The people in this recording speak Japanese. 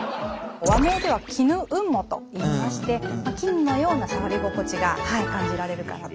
和名では「絹雲母」といいまして絹のような触り心地が感じられるかなと思います。